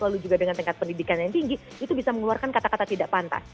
lalu juga dengan tingkat pendidikan yang tinggi itu bisa mengeluarkan kata kata tidak pantas